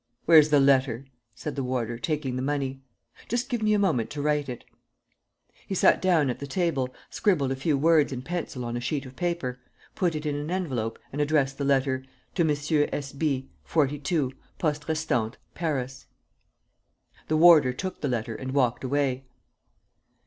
"Where's the letter?" said the warder, taking the money. "Just give me a moment to write it." He sat down at the table, scribbled a few words in pencil on a sheet of paper, put it in an envelope and addressed the letter: "To Monsieur S. B. 42, "Poste Restante, "PARIS." The warder took the letter and walked away.